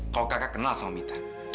kalau kakak kenal sama mita